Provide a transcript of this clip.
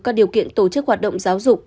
các điều kiện tổ chức hoạt động giáo dục